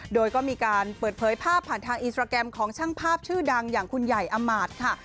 โดยก็มีการเปิดเผยภาพผ่านทางอินสตราแกรมของช่างภาพชื่อดังอย่างคุณใหญ่อำมาตย์ค่ะ